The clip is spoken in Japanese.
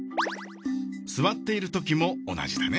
座っているときも同じだね。